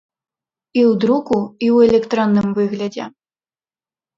І ў друку, і ў электронным выглядзе.